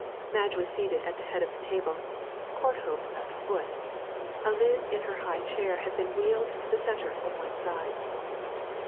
Madge was seated at the head of the table, Courthope at the foot; Eliz in her high chair had been wheeled to the centre of one side.